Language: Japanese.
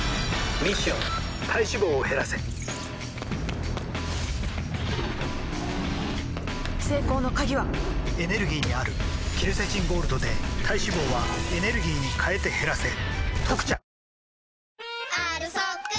ミッション体脂肪を減らせ成功の鍵はエネルギーにあるケルセチンゴールドで体脂肪はエネルギーに変えて減らせ「特茶」